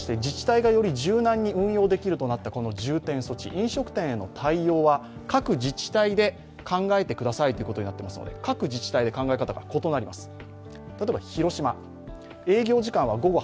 一方、自治体がより柔軟に対応できるとなったこの重点措置、飲食店への対応は、各自治体で考えてくださいということになってますので各自治体で考え方が異なります。